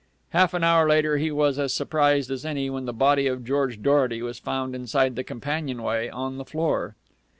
Half an hour later he was as surprised as any when the body of George Dorety was found inside the companionway on the floor.